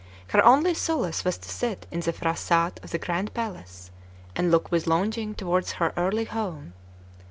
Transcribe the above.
Her only solace was to sit in the phrasat of the Grand Palace, and look with longing toward her early home.